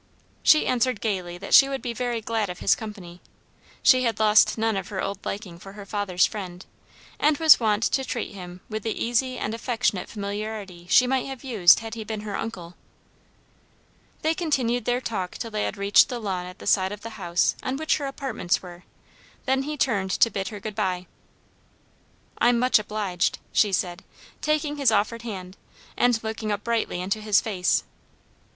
She answered gayly that she would be very glad of his company. She had lost none of her old liking for her father's friend, and was wont to treat him with the easy and affectionate familiarity she might have used had he been her uncle. They continued their talk till they had reached the lawn at the side of the house on which her apartments were; then he turned to bid her good bye. "I'm much obliged!" she said, taking his offered hand, and looking up brightly into his face.